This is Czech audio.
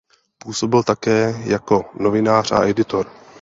Působil také jako novinář a editor.